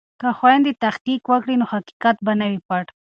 که خویندې تحقیق وکړي نو حقیقت به نه وي پټ.